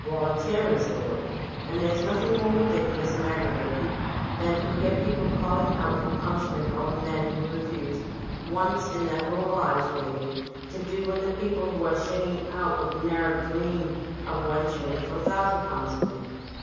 Yolunteering's the word ; and there's nothing more ridiculous and aggravating than to hear people caUing out for punishment on men who refused, once in their whole lives maybe, to do what the people who are singing out would ne'er dream of wenturing for a thou sand pounds a man.